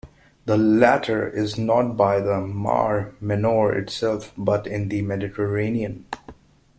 The latter is not by the Mar Menor itself, but in the Mediterranean.